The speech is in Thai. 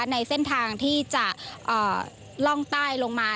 ในเส้นทางที่จะล่องใต้ลงมา